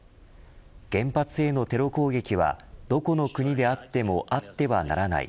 原発へのテロ攻撃はどこの国であってもあってはならない。